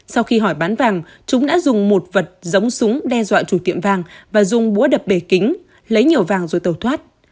sau khi hỏi bán vàng chúng đã dùng một vật giống súng đe dọa chủ tiệm vàng và dùng búa đập bể kính lấy nhiều vàng rồi tàu thoát